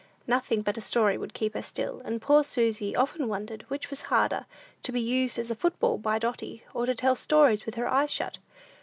Nothing but a story would keep her still, and poor Susy often wondered which was harder, to be used as a football by Dotty, or to tell stories with her eyes shut.